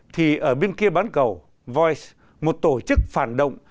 thì ở bên kia bán cầu voice một tổ chức phản động